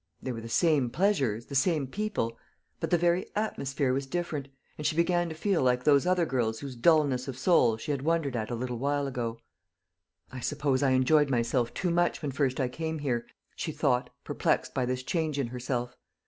There were the same pleasures, the same people; but the very atmosphere was different, and she began to feel like those other girls whose dulness of soul she had wondered at a little while ago. "I suppose I enjoyed myself too much when first I came here," she thought, perplexed by this change in herself.